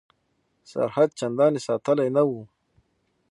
سرحد چنداني ساتلی نه وو.